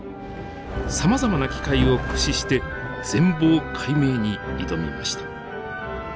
さまざまな機械を駆使して全貌解明に挑みました。